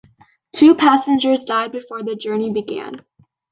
Two passengers died before the journey began.